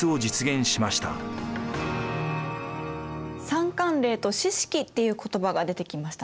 三管領と四職っていう言葉が出てきましたね。